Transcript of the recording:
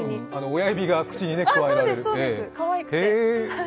親指が口にくわえられる、へえ。